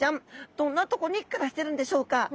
どんなとこに暮らしているんでしょうか？